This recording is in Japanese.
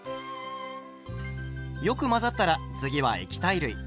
よく混ざったら次は液体類。